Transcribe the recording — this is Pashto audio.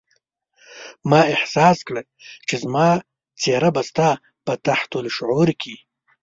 ما احساس کړه چې زما څېره به ستا په تحت الشعور کې.